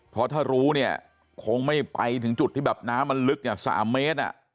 เพราะถ้ารู้เนี่ยคงไม่ไปถึงจุดที่แบบน้ำมันลึกเนี่ย๓เมตร